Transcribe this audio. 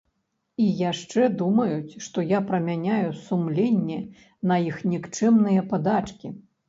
І яшчэ думаюць, што я прамяняю сумленне на іх нікчэмныя падачкі.